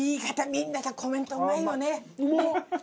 みんなさコメントうまいよね。